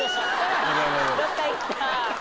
どっかいったー！